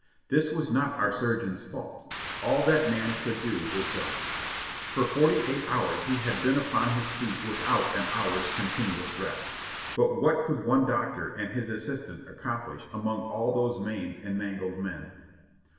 This was not our surgeon's fault, all that man could do was done. For forty eight hours he had been upon his feet without an hour's continuous rest. But what could one doctor and his assistant accomphsh among all these maimed and mangled men?